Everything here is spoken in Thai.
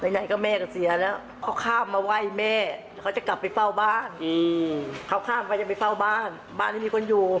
ไหนก็แม่ก็เสียแล้วเขาข้ามมาไหว้แม่เขาจะกลับไปเฝ้าบ้านเขาข้ามเขาจะไปเฝ้าบ้านบ้านไม่มีคนอยู่